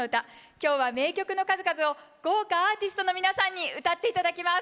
今日は名曲の数々を豪華アーティストの皆さんに歌って頂きます。